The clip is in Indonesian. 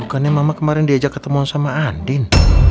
bukannya mama kemarin diajak ketemu sama andin